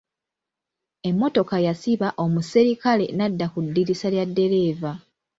Emmotoka yasiba omuserikale n'adda ku ddirisa lya ddereeva.